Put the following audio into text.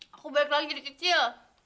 aku balik lagi jadi kecil